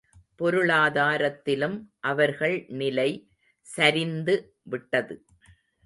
பொருளாதாரத்திலும் அவர்கள் நிலை சரிந்து விட்டது.